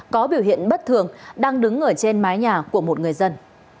có biểu hiện bất thường đang đứng ở trên mái nhà của một người dân